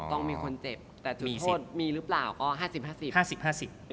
ต้องมีคนเจ็บแต่ถูกโทษมีหรือเปล่าก็๕๐๕๐